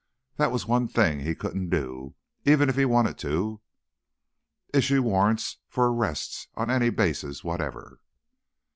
That was one thing he couldn't do, even if he wanted to: issue warrants for arrest on any basis whatever.